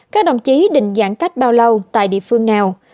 các đồng chí định giãn cách bao lâu tại địa phương nào